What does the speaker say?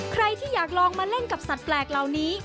ใครที่อยากลองมาเล่นกับสัตว์แปลกเหล่านี้